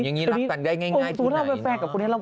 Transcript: อย่างนี้รักกันได้ง่ายที่ไหนเนอะ